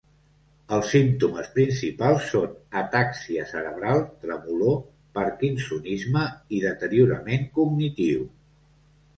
Els símptomes principals són atàxia cerebral, tremolor, parkinsonisme i deteriorament cognitiu.